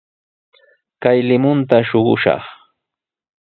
Kay limunta shuqushaq.